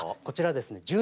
こちらですね